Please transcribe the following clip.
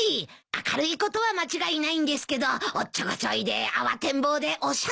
明るいことは間違いないんですけどおっちょこちょいで慌てん坊でおしゃべりで。